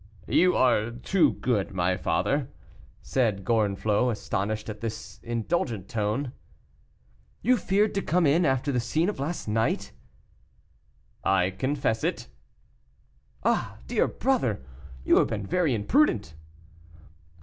"You are too good, my father," said Gorenflot, astonished at this indulgent tone. "You feared to come in after the scene of last night?" "I confess it." "Ah, dear brother, you have been very imprudent."